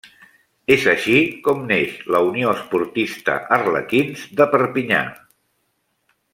És així com neix la Unió Esportista Arlequins de Perpinyà.